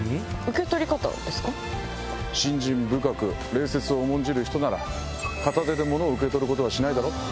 信心深く礼節を重んじる人なら片手で物を受け取ることはしないだろ。